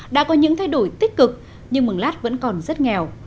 đã có những thay đổi tích cực nhưng mường lát vẫn còn rất nghèo